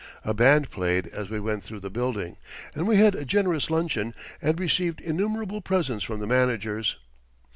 A band played as we went through the building, and we had a generous luncheon and received innumerable presents from the managers.